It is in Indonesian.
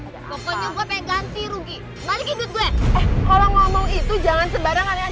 pokoknya gue pengen ganti rugi balik ikut gue kalau ngomong itu jangan sebarang aneh aneh